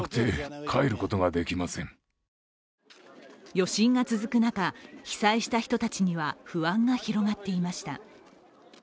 余震が続く中、被災した人たちには不安が広がっていました。